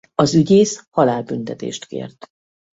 Az ügyész halálbüntetést kért.